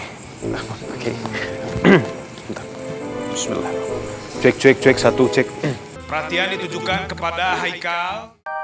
hai enggak oke cek cek cek satu cek perhatian ditujukan kepada haikal